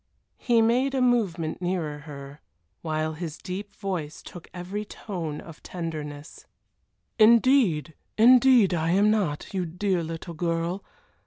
He made a movement nearer her while his deep voice took every tone of tenderness. "Indeed, indeed I am not you dear little girl!